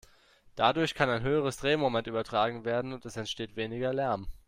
Dadurch kann ein höheres Drehmoment übertragen werden und es entsteht weniger Lärm.